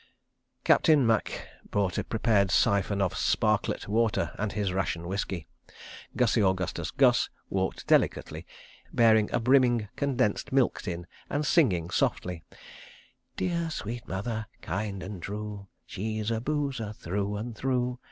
... Captain Macke brought a prepared siphon of "sparklet" water and his ration whisky. Gussie Augustus Gus walked delicately, bearing a brimming condensed milk tin, and singing softly— "Dear, sweet Mother, Kind and true; She's a boozer, Through and through